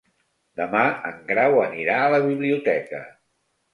Demà en Grau anirà a la biblioteca.